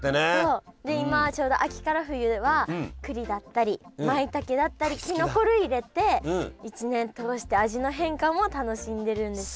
で今ちょうど秋から冬はくりだったりまいたけだったりきのこ類入れて一年通して味の変化も楽しんでるんですって。